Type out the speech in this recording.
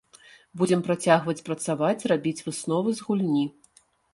Будзем працягваць працаваць, рабіць высновы з гульні.